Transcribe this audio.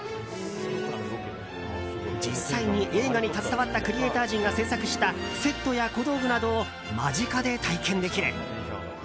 実際に映画に携わったクリエーター陣が制作したセットや小道具などを間近で体験できる。